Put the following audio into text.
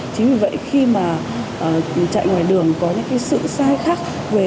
chính vì vậy khi mà chạy ngoài đường có những sự sai khác